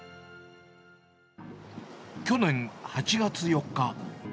去年８月４日。